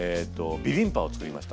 ビビンバを作りました。